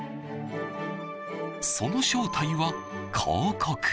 その正体は広告。